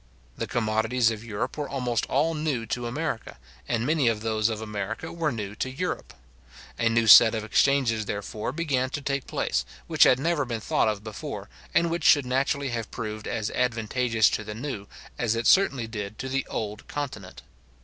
The commodities of Europe were almost all new to America, and many of those of America were new to Europe. A new set of exchanges, therefore, began to take place, which had never been thought of before, and which should naturally have proved as advantageous to the new, as it certainly did to the old continent.